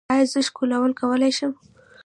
ایا زه ښکلول کولی شم؟